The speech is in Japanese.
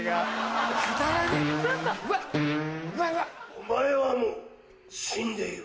お前はもう死んでいる。